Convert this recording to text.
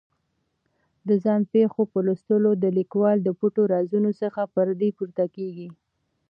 د ځان پېښو په لوستلو د لیکوال د پټو رازونو څخه پردې پورته کېږي.